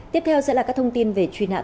tiếp theo sẽ là các thông tin về truy nã tội phạm